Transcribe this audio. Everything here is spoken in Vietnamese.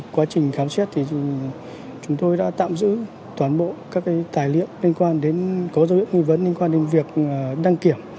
quá trình khám xét thì chúng tôi đã tạm giữ toàn bộ các tài liệu liên quan đến có dấu hiệu nghi vấn liên quan đến việc đăng kiểm